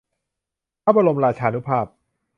พระบรมราชานุภาพ